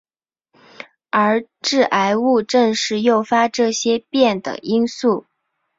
而致癌物正是诱发这些变的因素。